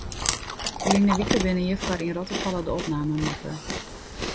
Ferline wike binne hjirfoar yn Rottefalle de opnamen makke.